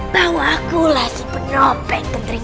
bahwa akulah si penopeng kenterimani